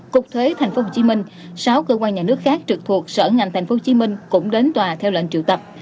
cục thuế tp hcm sáu cơ quan nhà nước khác trực thuộc sở ngành tp hcm cũng đến tòa theo lệnh triệu tập